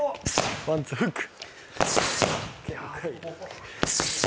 ワンツーフック。